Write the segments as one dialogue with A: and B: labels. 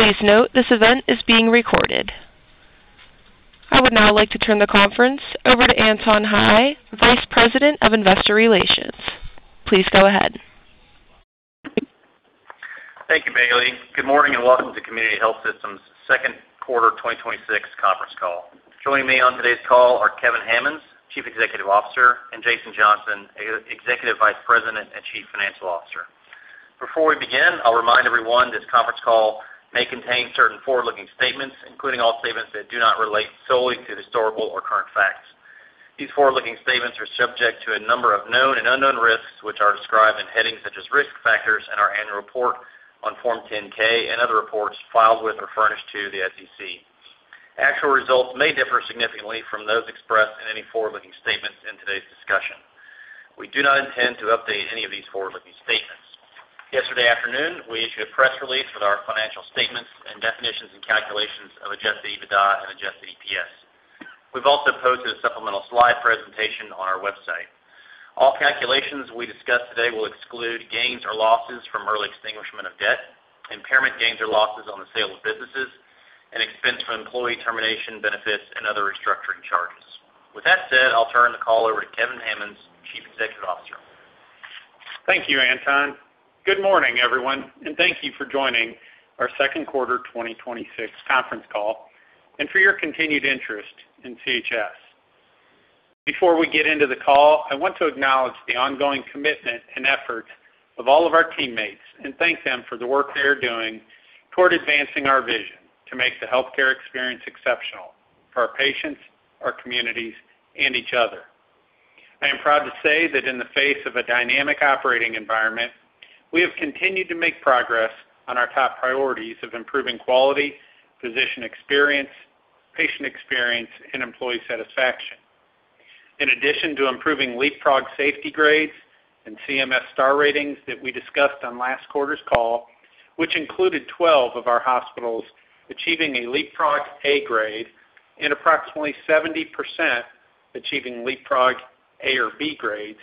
A: Please note this event is being recorded. I would now like to turn the conference over to Anton Hie, Vice President of Investor Relations. Please go ahead.
B: Thank you, Bailey. Good morning and welcome to Community Health Systems' second quarter 2026 conference call. Joining me on today's call are Kevin Hammons, Chief Executive Officer, and Jason Johnson, Executive Vice President and Chief Financial Officer. Before we begin, I'll remind everyone this conference call may contain certain forward-looking statements, including all statements that do not relate solely to historical or current facts. These forward-looking statements are subject to a number of known and unknown risks, which are described in headings such as Risk Factors in our annual report on Form 10-K and other reports filed with or furnished to the SEC. Actual results may differ significantly from those expressed in any forward-looking statements in today's discussion. We do not intend to update any of these forward-looking statements. Yesterday afternoon, we issued a press release with our financial statements and definitions and calculations of Adjusted EBITDA and adjusted EPS. We've also posted a supplemental slide presentation on our website. All calculations we discuss today will exclude gains or losses from early extinguishment of debt, impairment gains or losses on the sale of businesses, and expense from employee termination benefits and other restructuring charges. With that said, I'll turn the call over to Kevin Hammons, Chief Executive Officer.
C: Thank you, Anton. Good morning, everyone, and thank you for joining our second quarter 2026 conference call and for your continued interest in CHS. Before we get into the call, I want to acknowledge the ongoing commitment and effort of all of our teammates and thank them for the work they are doing toward advancing our vision to make the healthcare experience exceptional for our patients, our communities, and each other. I am proud to say that in the face of a dynamic operating environment, we have continued to make progress on our top priorities of improving quality, physician experience, patient experience, and employee satisfaction. In addition to improving Leapfrog safety grades and CMS star ratings that we discussed on last quarter's call, which included 12 of our hospitals achieving a Leapfrog A grade and approximately 70% achieving Leapfrog A or B grades,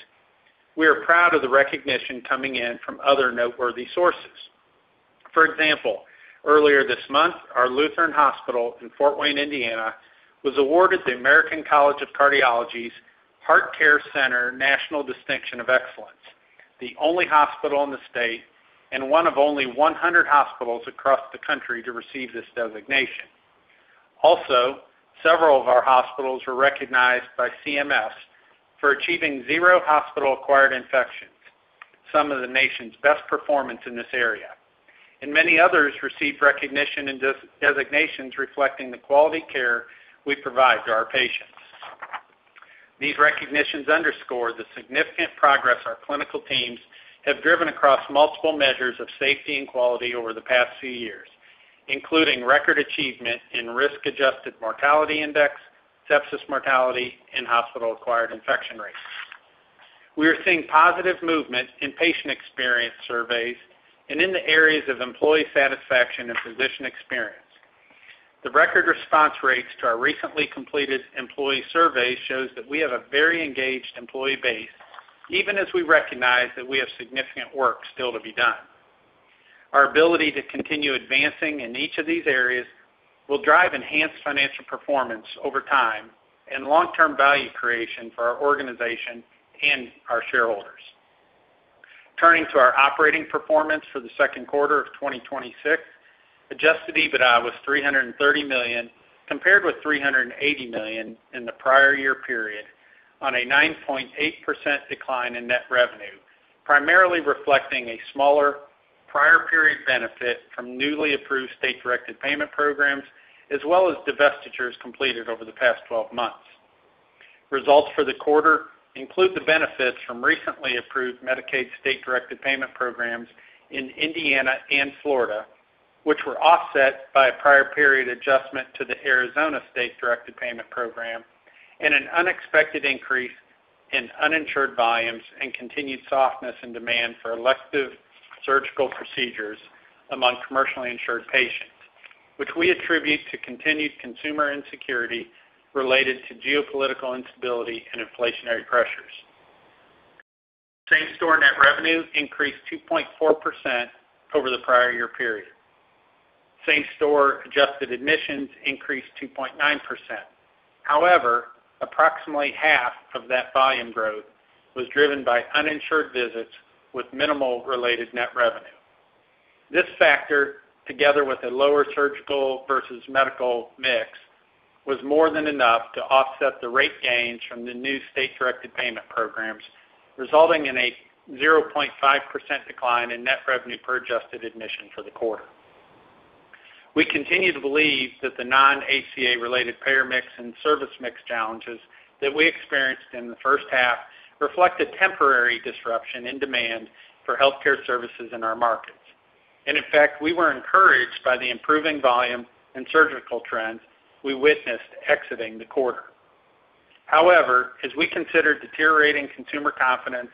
C: we are proud of the recognition coming in from other noteworthy sources. For example, earlier this month, our Lutheran Hospital in Fort Wayne, Indiana, was awarded the American College of Cardiology's HeartCARE Center National Distinction of Excellence, the only hospital in the state and one of only 100 hospitals across the country to receive this designation. Also, several of our hospitals were recognized by CMS for achieving zero hospital-acquired infections, some of the nation's best performance in this area, and many others received recognition and designations reflecting the quality care we provide to our patients. These recognitions underscore the significant progress our clinical teams have driven across multiple measures of safety and quality over the past few years, including record achievement in risk-adjusted mortality index, sepsis mortality, and hospital-acquired infection rates. We are seeing positive movement in patient experience surveys and in the areas of employee satisfaction and physician experience. The record response rates to our recently completed employee survey shows that we have a very engaged employee base, even as we recognize that we have significant work still to be done. Our ability to continue advancing in each of these areas will drive enhanced financial performance over time and long-term value creation for our organization and our shareholders. Turning to our operating performance for the second quarter of 2026, Adjusted EBITDA was $330 million, compared with $380 million in the prior year period, on a 9.8% decline in net revenue, primarily reflecting a smaller prior period benefit from newly approved state-directed payment programs, as well as divestitures completed over the past 12 months. Results for the quarter include the benefits from recently approved Medicaid state-directed payment programs in Indiana and Florida, which were offset by a prior period adjustment to the Arizona State-Directed Payment program and an unexpected increase in uninsured volumes and continued softness in demand for elective surgical procedures among commercially insured patients, which we attribute to continued consumer insecurity related to geopolitical instability and inflationary pressures. Same-store net revenue increased 2.4% over the prior year period. Same-store adjusted admissions increased 2.9%. Approximately half of that volume growth was driven by uninsured visits with minimal related net revenue. This factor, together with a lower surgical versus medical mix, was more than enough to offset the rate gains from the new state-directed payment programs, resulting in a 0.5% decline in net revenue per adjusted admission for the quarter. We continue to believe that the non-ACA related payer mix and service mix challenges that we experienced in the first half reflect a temporary disruption in demand for healthcare services in our markets. In fact, we were encouraged by the improving volume and surgical trends we witnessed exiting the quarter. As we consider deteriorating consumer confidence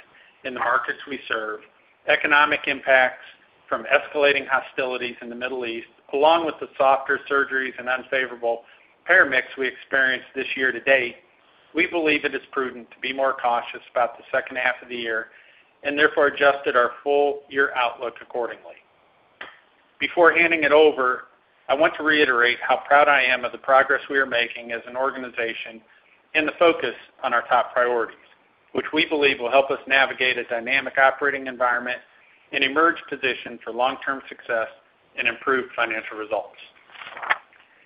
C: in the markets we serve, economic impacts from escalating hostilities in the Middle East, along with the softer surgeries and unfavorable payer mix we experienced this year-to-date. We believe it is prudent to be more cautious about the second half of the year, and therefore adjusted our full year outlook accordingly. Before handing it over, I want to reiterate how proud I am of the progress we are making as an organization and the focus on our top priorities, which we believe will help us navigate a dynamic operating environment and emerge positioned for long-term success and improved financial results.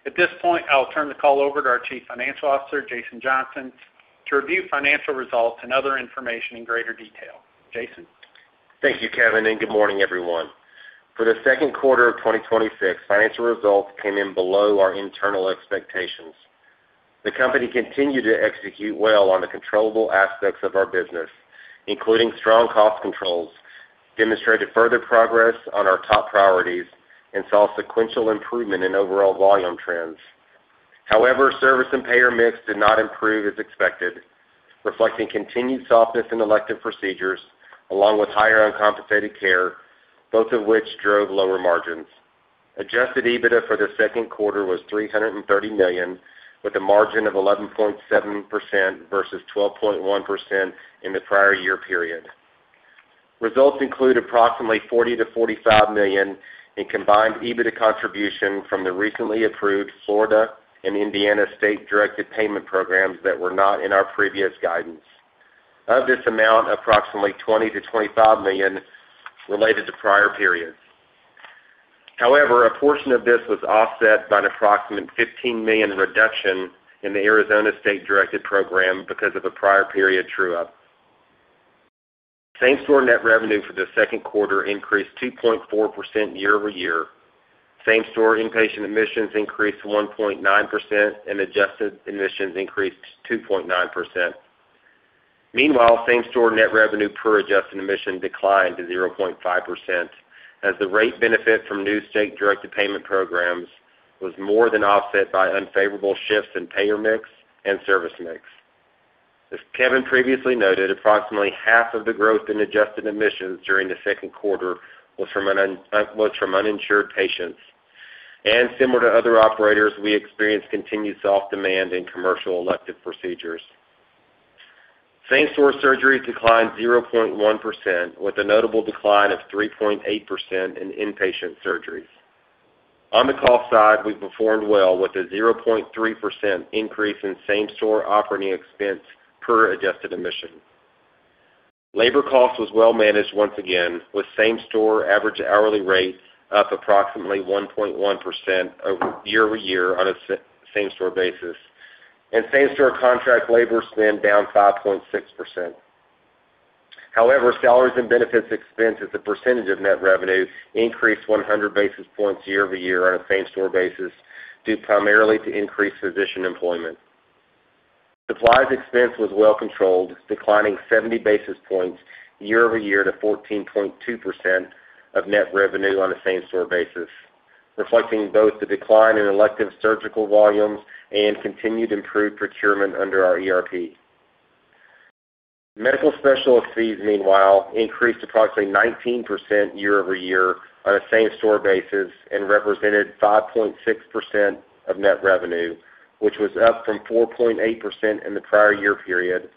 C: At this point, I will turn the call over to our Chief Financial Officer, Jason Johnson, to review financial results and other information in greater detail. Jason?
D: Thank you, Kevin, and good morning, everyone. For the second quarter of 2026, financial results came in below our internal expectations. The company continued to execute well on the controllable aspects of our business, including strong cost controls, demonstrated further progress on our top priorities, and saw sequential improvement in overall volume trends. Service and payer mix did not improve as expected, reflecting continued softness in elective procedures along with higher uncompensated care, both of which drove lower margins. Adjusted EBITDA for the second quarter was $330 million, with a margin of 11.7% versus 12.1% in the prior year period. Results include approximately $40 million-$45 million in combined EBITDA contribution from the recently approved Florida and Indiana state-directed payment programs that were not in our previous guidance. Of this amount, approximately $20 million-$25 million related to prior periods. A portion of this was offset by an approximate $15 million reduction in the Arizona state-directed program because of a prior period true-up. Same-store net revenue for the second quarter increased 2.4% year-over-year. Same-store inpatient admissions increased 1.9%, and adjusted admissions increased 2.9%. Meanwhile, same-store net revenue per adjusted admission declined to 0.5% as the rate benefit from new state-directed payment programs was more than offset by unfavorable shifts in payer mix and service mix. As Kevin previously noted, approximately half of the growth in adjusted admissions during the second quarter was from uninsured patients. Similar to other operators, we experienced continued soft demand in commercial elective procedures. Same-store surgeries declined 0.1%, with a notable decline of 3.8% in inpatient surgeries. On the cost side, we performed well with a 0.3% increase in same-store operating expense per adjusted admission. Labor cost was well managed once again, with same-store average hourly rates up approximately 1.1% year-over-year on a same-store basis and same-store contract labor spend down 5.6%. Salaries and benefits expense as a percentage of net revenue increased 100 basis points year-over-year on a same-store basis, due primarily to increased physician employment. Supplies expense was well controlled, declining 70 basis points year-over-year to 14.2% of net revenue on a same-store basis, reflecting both the decline in elective surgical volumes and continued improved procurement under our ERP. Medical specialist fees, meanwhile, increased approximately 19% year-over-year on a same-store basis and represented 5.6% of net revenue, which was up from 4.8% in the prior year period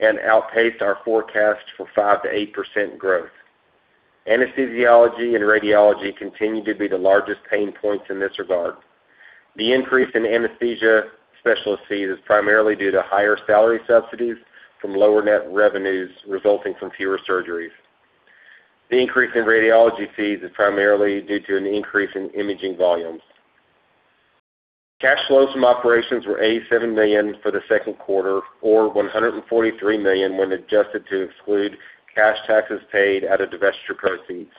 D: and outpaced our forecast for 5%-8% growth. Anesthesiology and radiology continue to be the largest pain points in this regard. The increase in anesthesia specialist fees is primarily due to higher salary subsidies from lower net revenues resulting from fewer surgeries. The increase in radiology fees is primarily due to an increase in imaging volumes. Cash flows from operations were $87 million for the second quarter, or $143 million when adjusted to exclude cash taxes paid out of divestiture proceeds,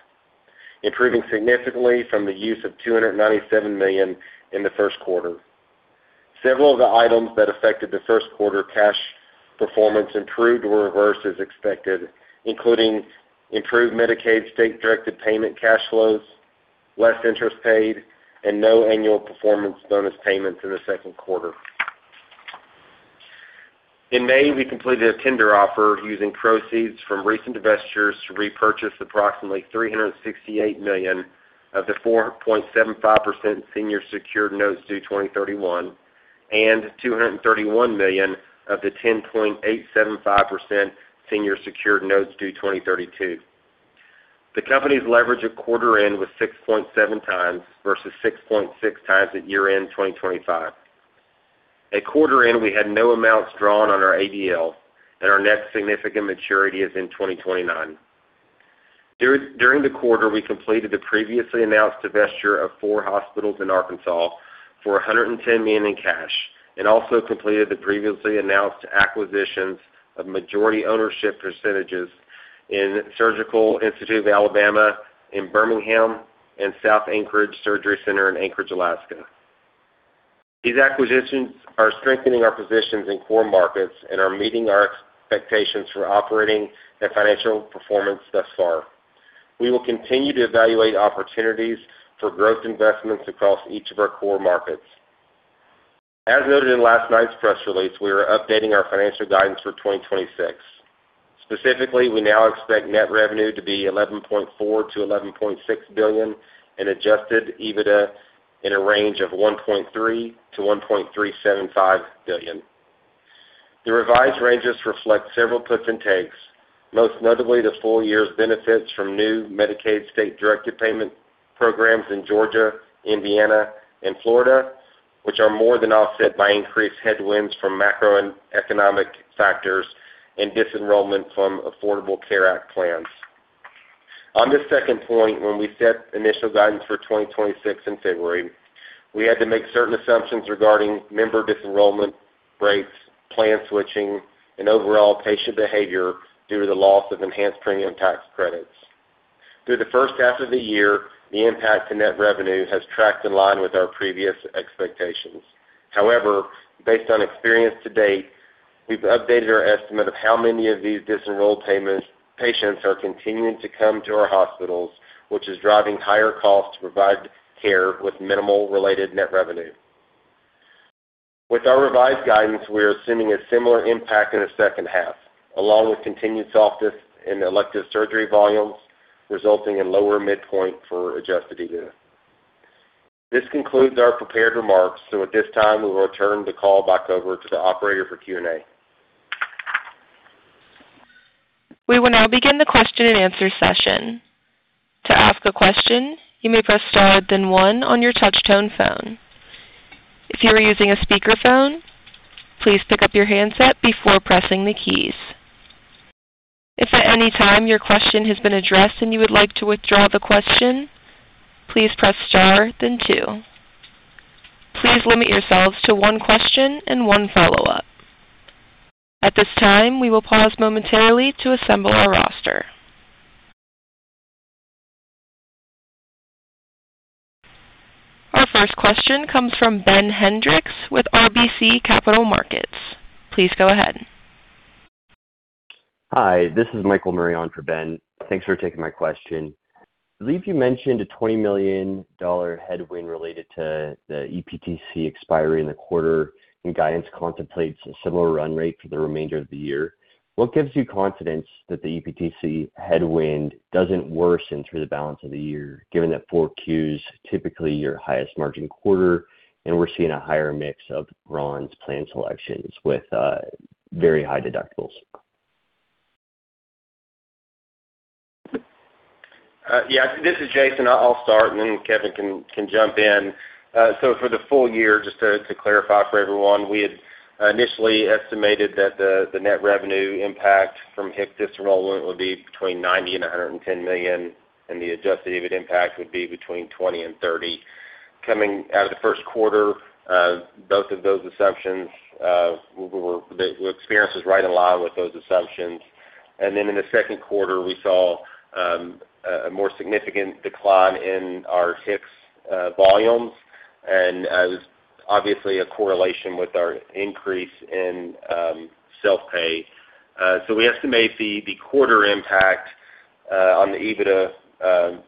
D: improving significantly from the use of $297 million in the first quarter. Several of the items that affected the first quarter cash performance improved or reversed as expected, including improved Medicaid state-directed payment cash flows, less interest paid, and no annual performance bonus payment to the second quarter. In May, we completed a tender offer using proceeds from recent divestitures to repurchase approximately $368 million of the 4.75% senior secured notes due 2031 and $231 million of the 10.875% senior secured notes due 2032. The company's leverage at quarter end was 6.7x versus 6.6x at year-end 2025. At quarter end, we had no amounts drawn on our ABL, and our next significant maturity is in 2029. During the quarter, we completed the previously announced divestiture of four hospitals in Arkansas for $110 million in cash and also completed the previously announced acquisitions of majority ownership percentages in Surgical Institute of Alabama in Birmingham and South Anchorage Surgery Center in Anchorage, Alaska. These acquisitions are strengthening our positions in core markets and are meeting our expectations for operating and financial performance thus far. We will continue to evaluate opportunities for growth investments across each of our core markets. As noted in last night's press release, we are updating our financial guidance for 2026. Specifically, we now expect net revenue to be $11.4 billion-$11.6 billion and Adjusted EBITDA in a range of $1.3 billion-$1.375 billion. The revised ranges reflect several puts and takes, most notably the full year's benefits from new Medicaid state-directed payment programs in Georgia, Indiana, and Florida, which are more than offset by increased headwinds from macroeconomic factors and disenrollment from Affordable Care Act plans. On this second point, when we set initial guidance for 2026 in February, we had to make certain assumptions regarding member disenrollment rates, plan switching, and overall patient behavior due to the loss of enhanced premium tax credits. Through the first half of the year, the impact to net revenue has tracked in line with our previous expectations. However, based on experience to date, we've updated our estimate of how many of these disenrolled patients are continuing to come to our hospitals, which is driving higher costs to provide care with minimal related net revenue. With our revised guidance, we are assuming a similar impact in the second half, along with continued softness in elective surgery volumes, resulting in lower midpoint for Adjusted EBITDA. This concludes our prepared remarks. At this time, we will turn the call back over to the operator for Q&A.
A: We will now begin the question-and-answer session. To ask a question, you may press star, then one on your touch tone phone. If you are using a speakerphone, please pick up your handset before pressing the keys. If at any time your question has been addressed and you would like to withdraw the question, please press star, then two. Please limit yourselves to one question and one follow-up. At this time, we will pause momentarily to assemble our roster. Our first question comes from Ben Hendrix with RBC Capital Markets. Please go ahead.
E: Hi, this is Michael Marion for Ben. Thanks for taking my question. I believe you mentioned a $20 million headwind related to the EPTC expiry in the quarter, and guidance contemplates a similar run rate for the remainder of the year. What gives you confidence that the EPTC headwind doesn't worsen through the balance of the year, given that 4 Qs typically your highest-margin quarter, and we're seeing a higher mix of bronze plan selections with very high deductibles?
D: This is Jason. I'll start, and then Kevin can jump in. For the full year, just to clarify for everyone, we had initially estimated that the net revenue impact from HIX disenrollment would be between $90 million and $110 million, and the Adjusted EBITDA impact would be between $20 million and $30 million. Coming out of the first quarter, both of those assumptions, the experience was right in line with those assumptions. In the second quarter, we saw a more significant decline in our HIX volumes, and it was obviously a correlation with our increase in self-pay. We estimate the quarter impact on the EBITDA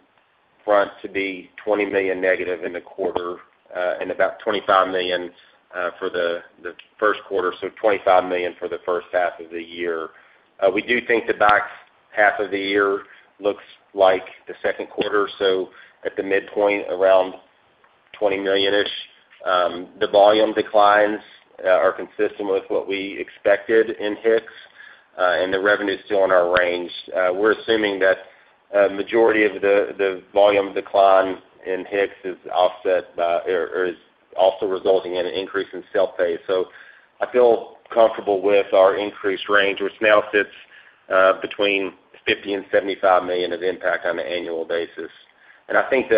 D: front to be $20 million negative in the quarter and about $25 million for the first quarter, so $25 million for the first half of the year. We do think the back half of the year looks like the second quarter, so at the midpoint, around $20 million-ish. The volume declines are consistent with what we expected in HIX, and the revenue's still in our range. We're assuming that a majority of the volume decline in HIX is also resulting in an increase in self-pay. I feel comfortable with our increased range, which now sits between $50 million and $75 million of impact on an annual basis. And I think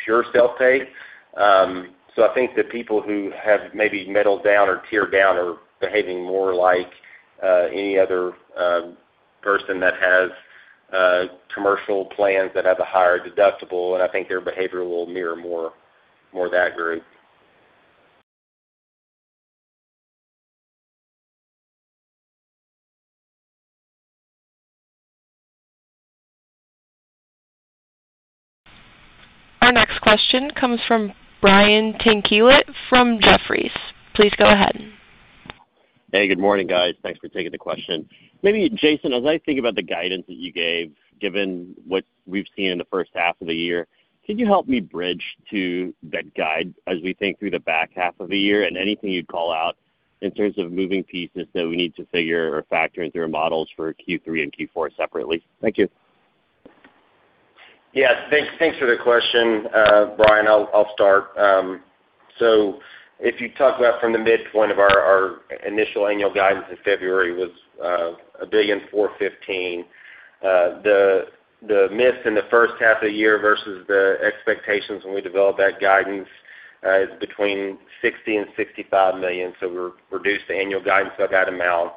D: that's pure self-pay. I think the people who have maybe middle down or tier down are behaving more like any other person that has commercial plans that have a higher deductible, and I think their behavior will mirror more of that group.
A: Our next question comes from Brian Tanquilut from Jefferies. Please go ahead.
F: Hey, good morning, guys. Thanks for taking the question. Maybe Jason, as I think about the guidance that you gave, given what we've seen in the first half of the year, can you help me bridge to that guide as we think through the back half of the year and anything you'd call out in terms of moving pieces that we need to factor into our models for Q3 and Q4 separately? Thank you.
D: Yes. Thanks for the question, Brian. I'll start. If you talk about from the midpoint of our initial annual guidance in February was $1.415 billion. The miss in the first half of the year versus the expectations when we developed that guidance is between $60 million-$65 million. We reduced the annual guidance by that amount.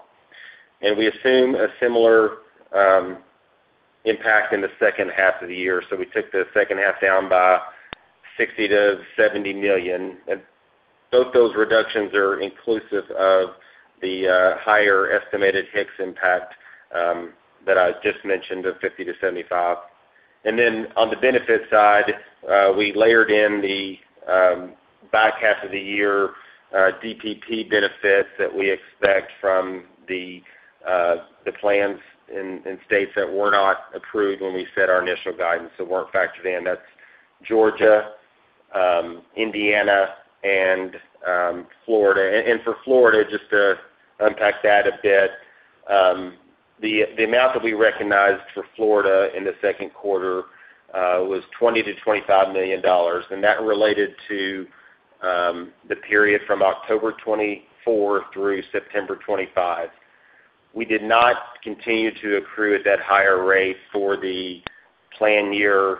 D: We assume a similar impact in the second half of the year. We took the second half down by $60 million-$70 million, and both those reductions are inclusive of the higher estimated HIX impact that I just mentioned of $50 million-$75 million. On the benefit side, we layered in the back half of the year DPP benefits that we expect from the plans in states that were not approved when we set our initial guidance that weren't factored in. That's Georgia, Indiana, and Florida. For Florida, just to unpack that a bit, the amount that we recognized for Florida in the second quarter was $20 million-$25 million. That related to the period from October 2024 through September 2025. We did not continue to accrue at that higher rate for the plan year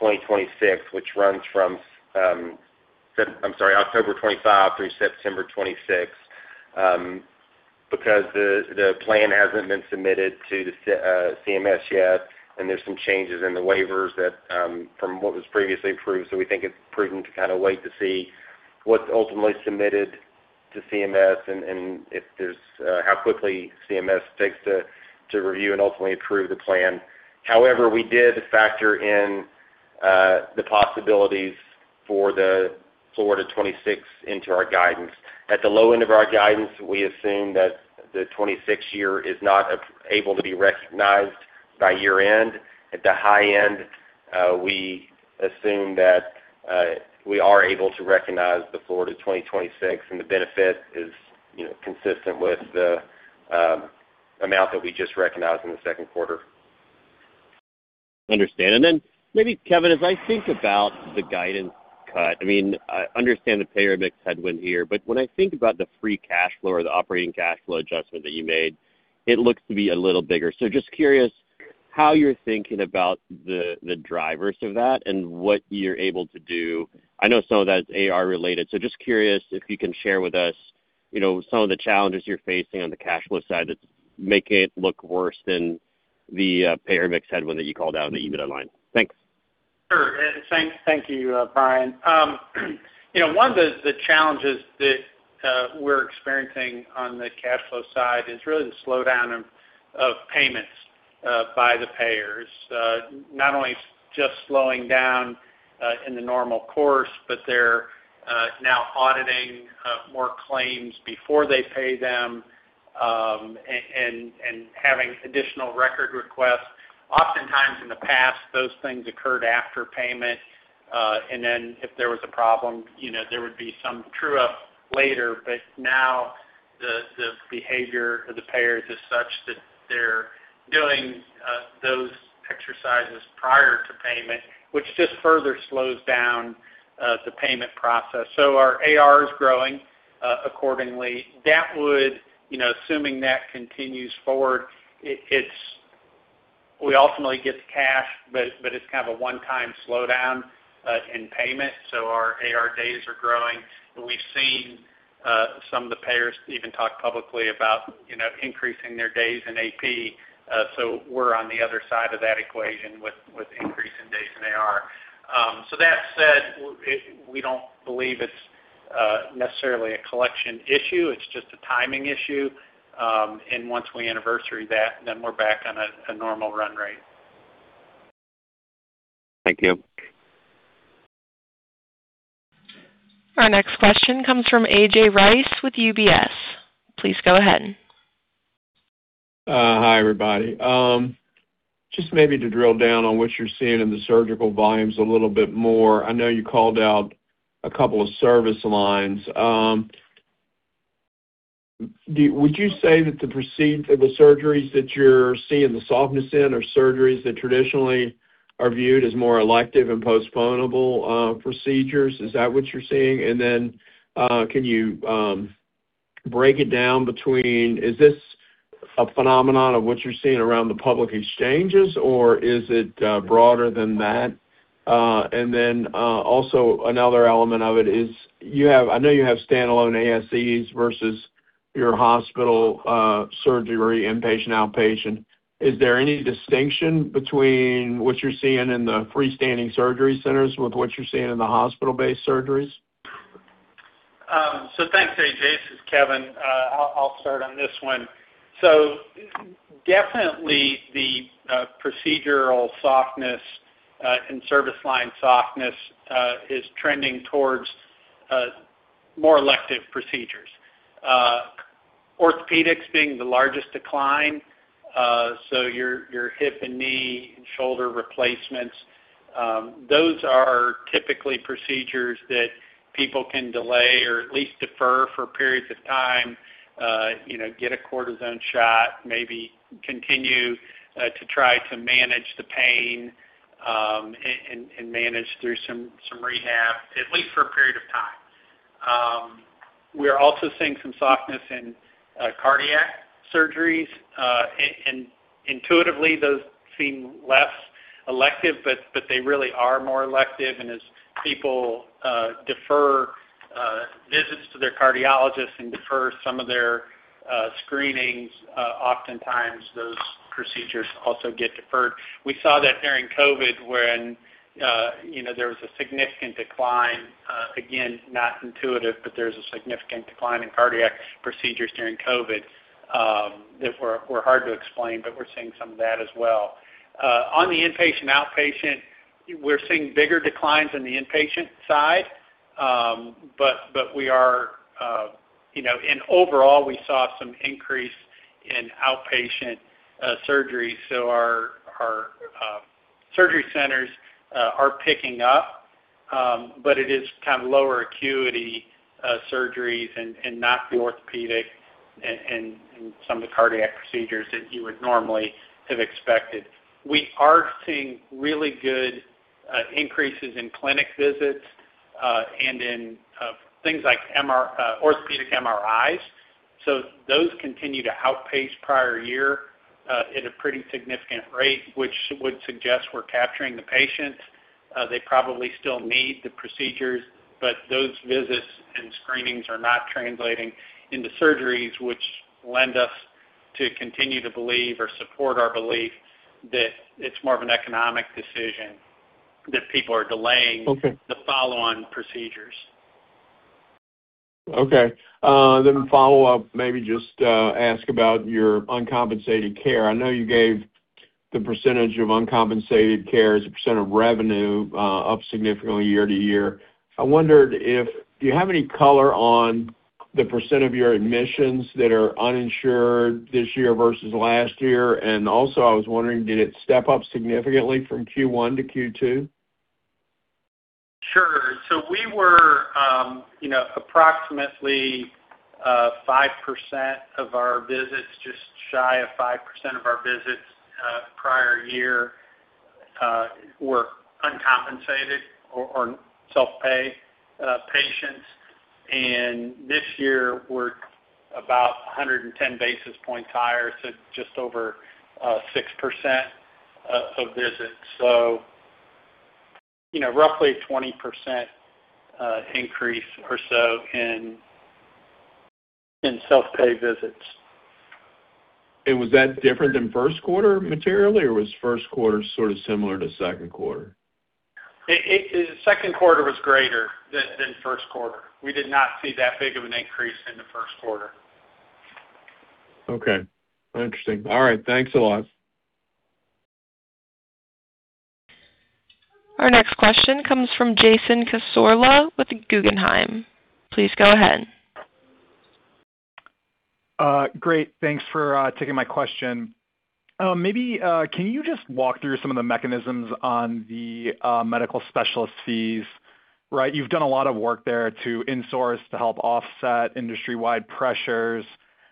D: 2026, which runs from October 2025 through September 2026, because the plan hasn't been submitted to the CMS yet, and there's some changes in the waivers from what was previously approved. We think it's prudent to wait to see what's ultimately submitted to CMS and how quickly CMS takes to review and ultimately approve the plan. However, we did factor in the possibilities for the Florida 2026 into our guidance. At the low end of our guidance, we assume that the 2026 year is not able to be recognized by year-end. At the high end, we assume that we are able to recognize the Florida 2026, and the benefit is consistent with the amount that we just recognized in the second quarter.
F: Understand. Maybe, Kevin, as I think about the guidance cut, I understand the payer mix headwind here, when I think about the free cash flow or the operating cash flow adjustment that you made, it looks to be a little bigger. Just curious how you're thinking about the drivers of that and what you're able to do. I know some of that is AR related, just curious if you can share with us some of the challenges you're facing on the cash flow side that's making it look worse than the payer mix headwind that you called out on the EBITDA line. Thanks.
C: Sure. Thank you, Brian. One of the challenges that we're experiencing on the cash flow side is really the slowdown of payments by the payers. Not only just slowing down in the normal course, they're now auditing more claims before they pay them, and having additional record requests. Oftentimes, in the past, those things occurred after payment. If there was a problem, there would be some true-up later. Now, the behavior of the payers is such that they're doing those exercises prior to payment, which just further slows down the payment process. Our AR is growing accordingly. Assuming that continues forward, we ultimately get the cash, it's a one-time slowdown in payment, our AR days are growing, and we've seen some of the payers even talk publicly about increasing their days in AP. We're on the other side of that equation with increase in days in AR. That said, we don't believe it's necessarily a collection issue. It's just a timing issue. Once we anniversary that, then we're back on a normal run rate.
F: Thank you.
A: Our next question comes from A.J. Rice with UBS. Please go ahead.
G: Hi, everybody. Just maybe to drill down on what you're seeing in the surgical volumes a little bit more. I know you called out a couple of service lines. Would you say that the surgeries that you're seeing the softness in are surgeries that traditionally are viewed as more elective and postponable procedures? Is that what you're seeing? Can you break it down between, is this a phenomenon of what you're seeing around the public exchanges, or is it broader than that? Another element of it is, I know you have standalone ASCs versus your hospital surgery, inpatient, outpatient. Is there any distinction between what you're seeing in the freestanding surgery centers with what you're seeing in the hospital-based surgeries?
C: Thanks, A.J. This is Kevin. I'll start on this one. Definitely the procedural softness and service line softness is trending towards more elective procedures. Orthopedics being the largest decline, so your hip and knee and shoulder replacements. Those are typically procedures that people can delay or at least defer for periods of time. Get a cortisone shot, maybe continue to try to manage the pain, and manage through some rehab, at least for a period of time. We are also seeing some softness in cardiac surgeries. Intuitively, those seem less elective, but they really are more elective. As people defer visits to their cardiologists and defer some of their screenings, oftentimes those procedures also get deferred. We saw that during COVID when there was a significant decline. Again, not intuitive, but there's a significant decline in cardiac procedures during COVID that were hard to explain, but we're seeing some of that as well. On the inpatient/outpatient, we're seeing bigger declines in the inpatient side. Overall, we saw some increase in outpatient surgery. Our surgery centers are picking up, but it is lower acuity surgeries and not the orthopedic and some of the cardiac procedures that you would normally have expected. We are seeing really good increases in clinic visits, and in things like orthopedic MRIs. Those continue to outpace prior year at a pretty significant rate, which would suggest we're capturing the patients. They probably still need the procedures, those visits and screenings are not translating into surgeries which lend us to continue to believe or support our belief that it's more of an economic decision, that people are delaying-
G: Okay
C: The follow-on procedures.
G: Okay. A follow-up, maybe just ask about your uncompensated care. I know you gave the percentage of uncompensated care as a percentage of revenue up significantly year-over-year. I wondered if you have any color on the percent of your admissions that are uninsured this year versus last year. Also, I was wondering, did it step up significantly from Q1 to Q2?
C: We were approximately 5% of our visits, just shy of 5% of our visits prior year, were uncompensated or self-pay patients. This year, we are about 110 basis points higher, just over 6% of visits. Roughly a 20% increase or so in self-pay visits.
G: Was that different than first quarter materially, or was first quarter sort of similar to second quarter?
C: Second quarter was greater than first quarter. We did not see that big of an increase in the first quarter.
G: Okay. Interesting. All right. Thanks a lot.
A: Our next question comes from Jason Cassorla with Guggenheim. Please go ahead.
H: Great. Thanks for taking my question. Maybe, can you just walk through some of the mechanisms on the medical specialist fees? You've done a lot of work there to insource to help offset industry-wide pressures.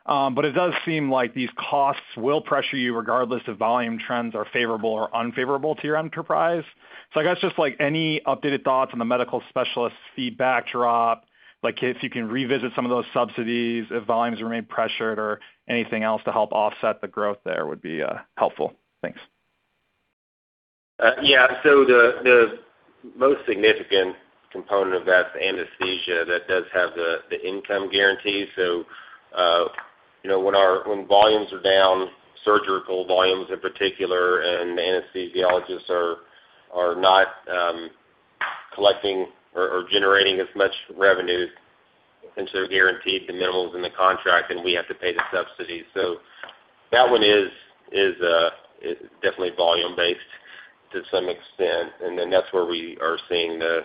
H: It does seem like these costs will pressure you regardless if volume trends are favorable or unfavorable to your enterprise. I guess just any updated thoughts on the medical specialist fee backdrop, like if you can revisit some of those subsidies, if volumes remain pressured or anything else to help offset the growth there would be helpful. Thanks.
D: Yeah. The most significant component of that is the anesthesia that does have the income guarantee. When volumes are down, surgical volumes in particular, anesthesiologists are not collecting or generating as much revenue, they're guaranteed the minimums in the contract, we have to pay the subsidy. That one is definitely volume-based to some extent, that's where we are seeing the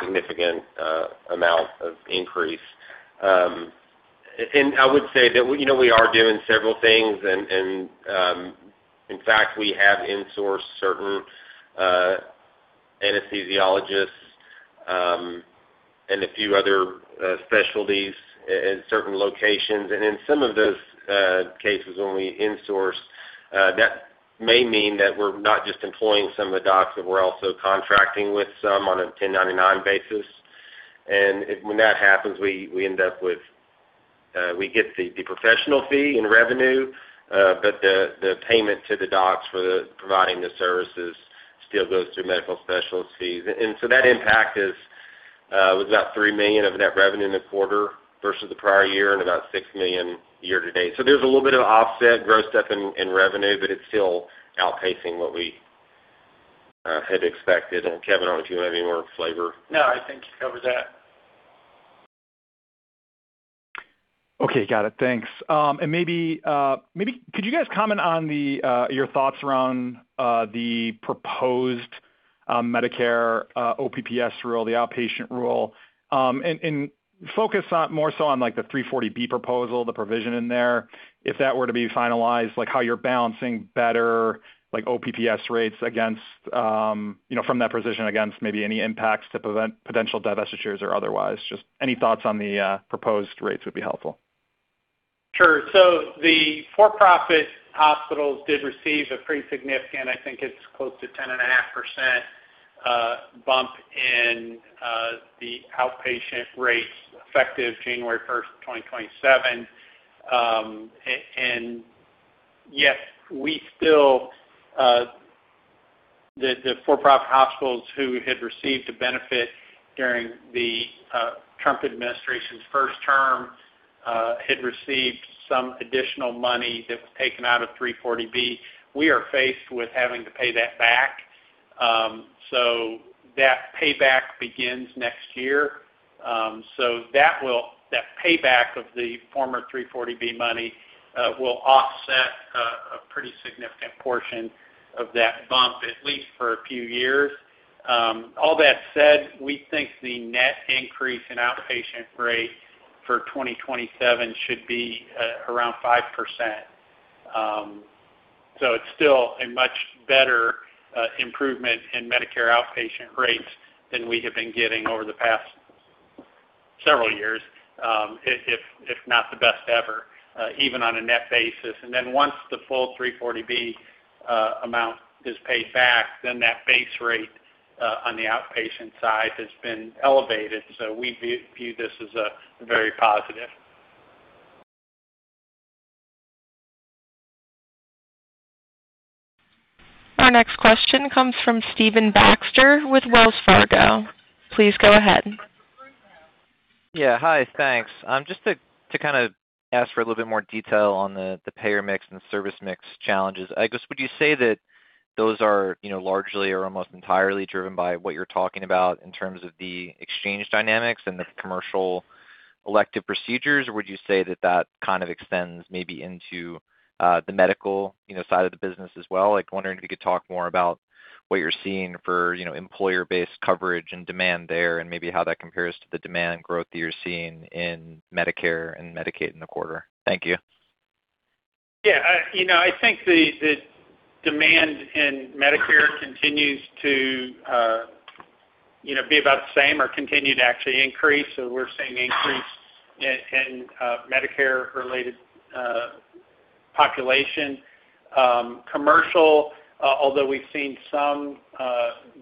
D: significant amount of increase. I would say that we are doing several things, in fact, we have insourced certain anesthesiologists and a few other specialties in certain locations. In some of those cases when we insource, that may mean that we're not just employing some of the docs, but we're also contracting with some on a 1099 basis. When that happens, we get the professional fee in revenue, the payment to the docs for providing the services still goes through medical specialties. That impact was about $3 million of net revenue in the quarter versus the prior year, about $6 million year-to-date. There's a little bit of offset grossed up in revenue, it's still outpacing what we had expected. Kevin, I don't know if you want to add any more flavor.
C: No, I think you covered that.
H: Okay, got it. Thanks. Maybe, could you guys comment on your thoughts around the proposed Medicare OPPS rule, the outpatient rule, and focus more so on the 340B proposal, the provision in there, if that were to be finalized, how you're balancing better OPPS rates from that position against maybe any impacts to potential divestitures or otherwise. Just any thoughts on the proposed rates would be helpful.
C: Sure. The for-profit hospitals did receive a pretty significant, I think it's close to 10.5%, bump in the outpatient rates effective January 1st, 2027. Yes, the for-profit hospitals who had received a benefit during the Trump administration's first term Had received some additional money that was taken out of 340B. We are faced with having to pay that back. That payback begins next year. That payback of the former 340B money will offset a pretty significant portion of that bump, at least for a few years. All that said, we think the net increase in outpatient rate for 2027 should be around 5%. It's still a much better improvement in Medicare outpatient rates than we have been getting over the past several years, if not the best ever, even on a net basis. Once the full 340B amount is paid back, then that base rate on the outpatient side has been elevated. We view this as very positive.
A: Our next question comes from Stephen Baxter with Wells Fargo. Please go ahead.
I: Yeah. Hi, thanks. Just to ask for a little bit more detail on the payer mix and service mix challenges. I guess, would you say that those are largely or almost entirely driven by what you're talking about in terms of the exchange dynamics and the commercial elective procedures? Or would you say that that kind of extends maybe into the medical side of the business as well? Wondering if you could talk more about what you're seeing for employer-based coverage and demand there, and maybe how that compares to the demand growth that you're seeing in Medicare and Medicaid in the quarter. Thank you.
C: Yeah. I think the demand in Medicare continues to be about the same or continue to actually increase. We're seeing increase in Medicare-related population. Commercial, although we've seen some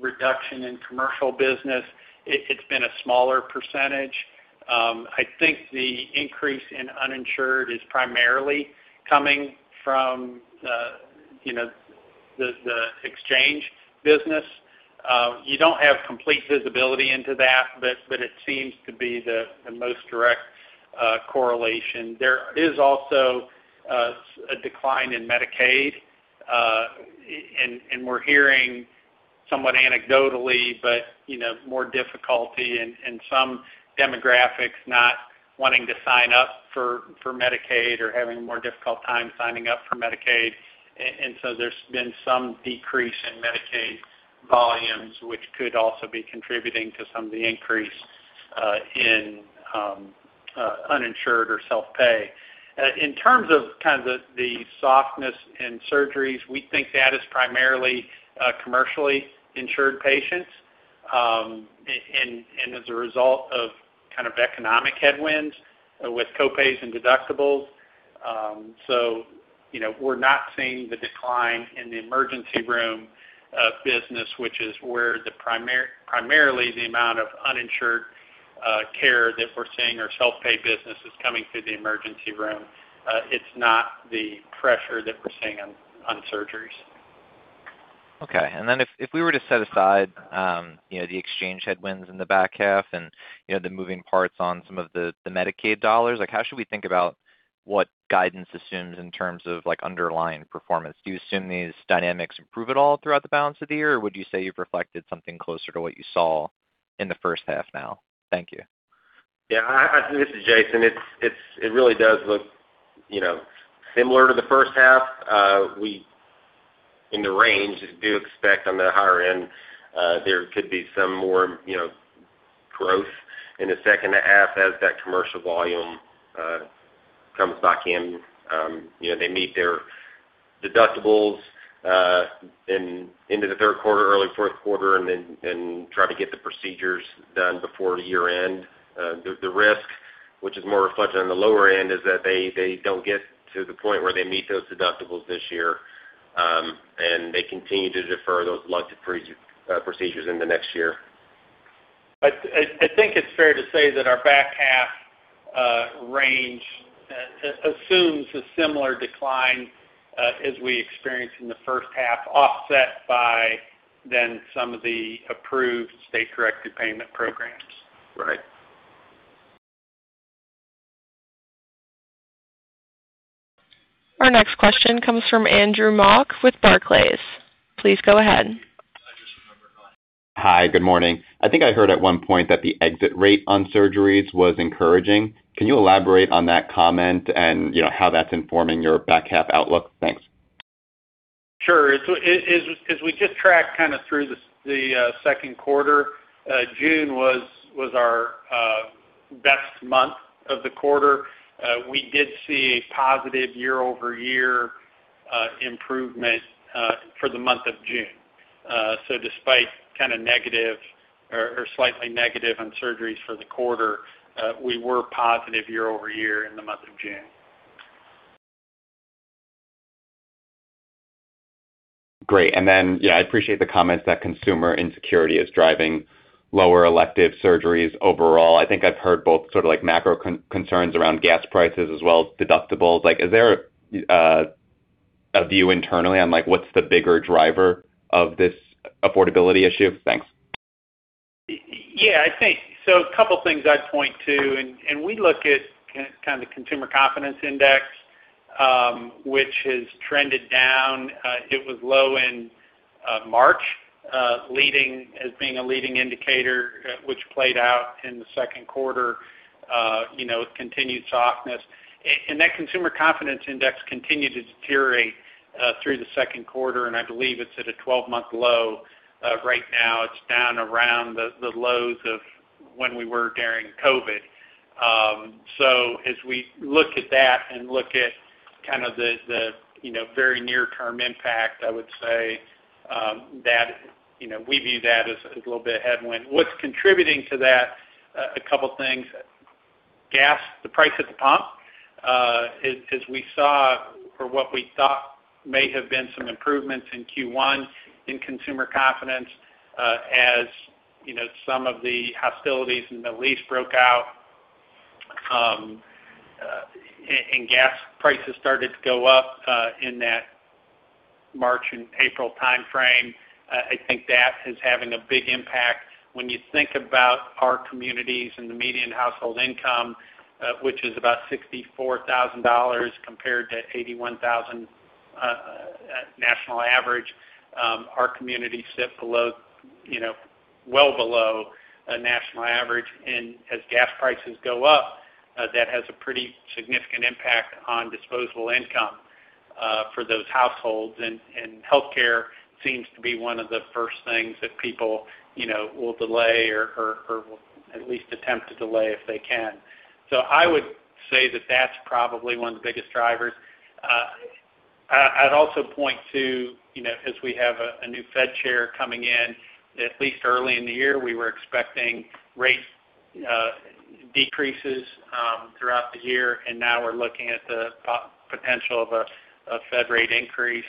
C: reduction in commercial business, it's been a smaller percentage. I think the increase in uninsured is primarily coming from the exchange business. You don't have complete visibility into that, but it seems to be the most direct correlation. There is also a decline in Medicaid, and we're hearing somewhat anecdotally, but more difficulty in some demographics not wanting to sign up for Medicaid or having a more difficult time signing up for Medicaid. There's been some decrease in Medicaid volumes, which could also be contributing to some of the increase in uninsured or self-pay. In terms of the softness in surgeries, we think that is primarily commercially insured patients, and as a result of kind of economic headwinds with co-pays and deductibles. We're not seeing the decline in the emergency room business, which is where primarily the amount of uninsured care that we're seeing or self-pay business is coming through the emergency room. It's not the pressure that we're seeing on surgeries.
I: Okay. If we were to set aside the exchange headwinds in the back half and the moving parts on some of the Medicaid dollars, how should we think about what guidance assumes in terms of underlying performance? Do you assume these dynamics improve at all throughout the balance of the year? Or would you say you've reflected something closer to what you saw in the first half now? Thank you.
D: This is Jason. It really does look similar to the first half. We, in the range, do expect on the higher end, there could be some more growth in the second half as that commercial volume comes back in. They meet their deductibles into the third quarter, early fourth quarter, try to get the procedures done before the year-end. The risk, which is more reflected on the lower end, is that they don't get to the point where they meet those deductibles this year, they continue to defer those elective procedures into next year.
C: I think it's fair to say that our back half range assumes a similar decline as we experienced in the first half, offset by some of the approved state-directed payment programs.
I: Right.
A: Our next question comes from Andrew Mok with Barclays. Please go ahead.
J: Hi, good morning. I think I heard at one point that the exit rate on surgeries was encouraging. Can you elaborate on that comment and how that's informing your back half outlook? Thanks.
C: Sure. As we just tracked kind of through the second quarter, June was our best month of the quarter. We did see a positive year-over-year improvement for the month of June. Despite kind of negative or slightly negative on surgeries for the quarter, we were positive year-over-year in the month of June.
J: Great. I appreciate the comments that consumer insecurity is driving lower elective surgeries overall. I think I've heard both sort of macro concerns around gas prices as well as deductibles. Is there a view internally on what's the bigger driver of this affordability issue? Thanks.
C: Yeah, I think. A couple things I'd point to, and we look at kind of the Consumer Confidence Index, which has trended down. It was low in March, as being a leading indicator, which played out in the second quarter with continued softness. That Consumer Confidence Index continued to deteriorate through the second quarter, and I believe it's at a 12-month low right now. It's down around the lows of when we were during COVID. As we look at that and look at kind of the very near-term impact, I would say that we view that as a little bit of a headwind. What's contributing to that? A couple of things. Gas, the price at the pump, as we saw for what we thought may have been some improvements in Q1 in consumer confidence, as some of the hostilities in the Middle East broke out, and gas prices started to go up in that March and April timeframe. I think that is having a big impact. When you think about our communities and the median household income, which is about $64,000 compared to $81,000 national average, our communities sit well below national average. As gas prices go up, that has a pretty significant impact on disposable income for those households. Healthcare seems to be one of the first things that people will delay or will at least attempt to delay if they can. I would say that that's probably one of the biggest drivers. I'd also point to, as we have a new Fed Chair coming in, at least early in the year, we were expecting rate decreases throughout the year, now we're looking at the potential of a Fed rate increase.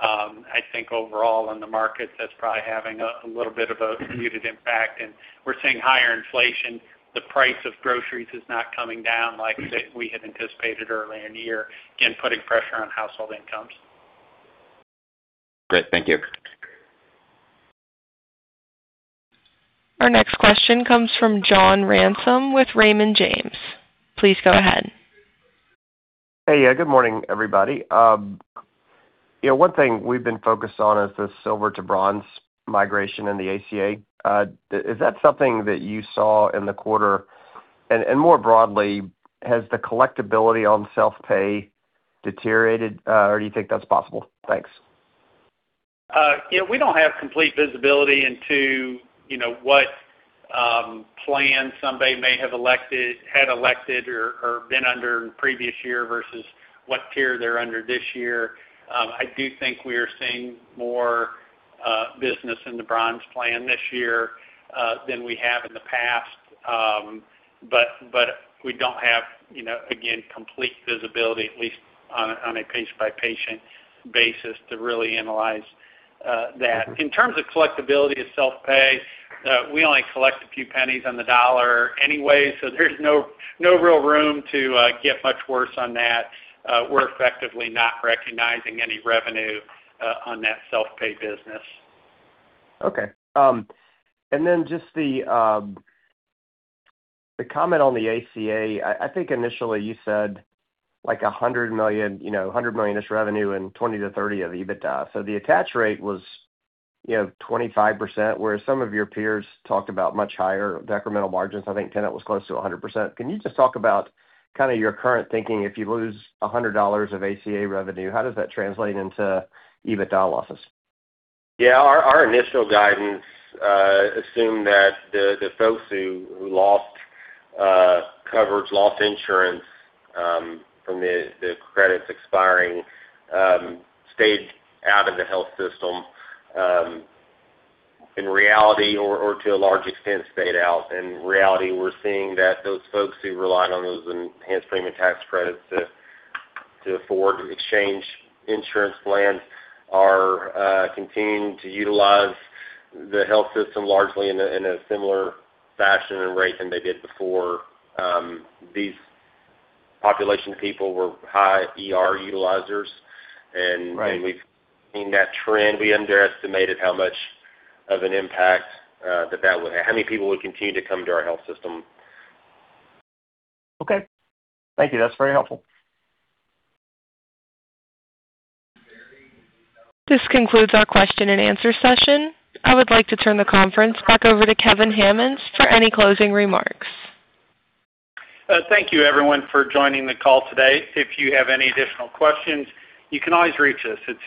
C: I think overall in the markets, that's probably having a little bit of a muted impact. We're seeing higher inflation. The price of groceries is not coming down like we had anticipated earlier in the year, again, putting pressure on household incomes.
J: Great. Thank you.
A: Our next question comes from John Ransom with Raymond James. Please go ahead.
K: Hey. Good morning, everybody. One thing we've been focused on is the silver to bronze migration in the ACA. Is that something that you saw in the quarter? More broadly, has the collectibility on self-pay deteriorated, or do you think that's possible? Thanks.
C: Yeah. We don't have complete visibility into what plan somebody may have elected, had elected, or been under in the previous year versus what tier they're under this year. I do think we are seeing more business in the bronze plan this year than we have in the past. We don't have, again, complete visibility, at least on a patient-by-patient basis, to really analyze that. In terms of collectibility of self-pay, we only collect a few pennies on the dollar anyway, so there's no real room to get much worse on that. We're effectively not recognizing any revenue on that self-pay business.
K: Okay. Just the comment on the ACA. I think initially you said like $100 million in revenue and $20-$30 of EBITDA. The attach rate was 25%, whereas some of your peers talked about much higher incremental margins. I think Tenet was close to 100%. Can you just talk about kind of your current thinking if you lose $100 of ACA revenue, how does that translate into EBITDA losses?
D: Yeah, our initial guidance assumed that the folks who lost coverage, lost insurance from the credits expiring, stayed out of the health system. In reality, or to a large extent, stayed out. In reality, we're seeing that those folks who relied on those enhanced premium tax credits to afford exchange insurance plans are continuing to utilize the health system largely in a similar fashion and rate than they did before. These population people were high ER utilizers.
K: Right.
D: We've seen that trend. We underestimated how much of an impact that that would have, how many people would continue to come to our health system.
K: Okay. Thank you. That's very helpful.
A: This concludes our question and answer session. I would like to turn the conference back over to Kevin Hammons for any closing remarks.
C: Thank you everyone for joining the call today. If you have any additional questions, you can always reach us at.